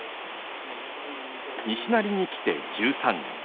西成に来て１３年。